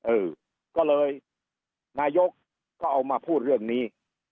เออก็เลยนายกก็เอามาพูดเรื่องนี้